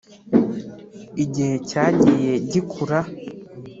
igihe cyagiye gikura